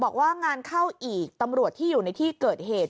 บอกว่างานเข้าอีกตำรวจที่อยู่ในที่เกิดเหตุ